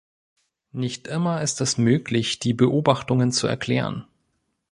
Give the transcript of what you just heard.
Nicht immer ist es möglich, die Beobachtungen zu erklären.